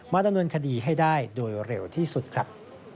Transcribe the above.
ดำเนินคดีให้ได้โดยเร็วที่สุดครับ